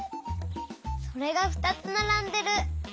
それがふたつならんでる。